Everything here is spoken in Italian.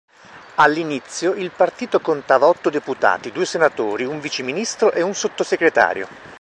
All'inizio, il partito contava otto deputati, due senatori, un vice ministro e un sottosegretario.